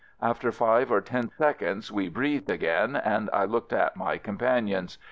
After five or ten seconds we breathed again, and I looked at my companions.